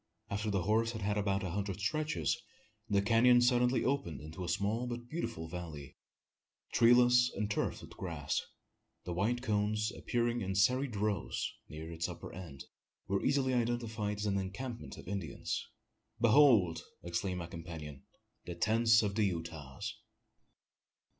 After the horse had made about a hundred stretches, the canon suddenly opened into a small but beautiful vallon treeless and turfed with grass. The white cones, appearing in serried rows near its upper end, were easily identified as an encampment of Indians. "Behold!" exclaimed my companion, "the tents of the Utahs!"